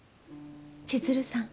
千鶴さん？